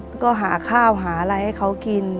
แล้วก็หาข้าวหาอะไรให้เขากิน